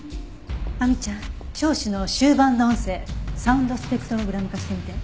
亜美ちゃん聴取の終盤の音声サウンドスペクトログラム化してみて。